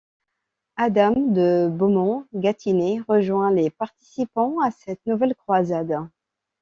Adam de Beaumont-Gâtinais rejoint les participants à cette nouvelle croisade.